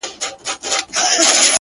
په يوه جـادو دي زمـــوږ زړونه خپل كړي ـ